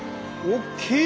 おっきい！